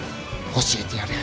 教えてやる。